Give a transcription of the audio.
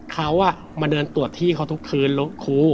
เขามาเดินตรวจที่เขาทุกคืนรถครู